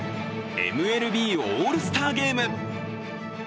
ＭＬＢオールスターゲーム。